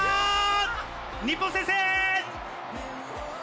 日本先制！